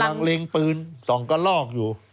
กำลังเร่งปืน๒ก็ลอกอยู่